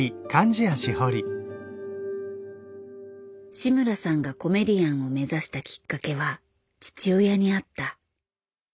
志村さんがコメディアンを目指したきっかけは父親にあった。